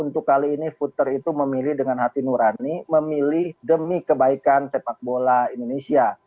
dan saya berharap futer itu memilih dengan hati nurani memilih demi kebaikan sepak bola indonesia